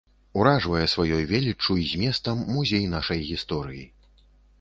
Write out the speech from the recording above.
Уражвае сваёй веліччу і зместам музей нашай гісторыі.